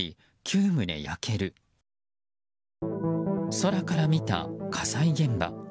空から見た火災現場。